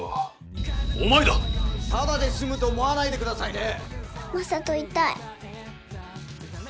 ただで済むと思わないで下さいね。